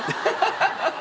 ハハハハハ！